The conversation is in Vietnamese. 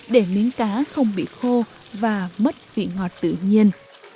để miếng cá không bị khô và mất vị ngọt tự nhiên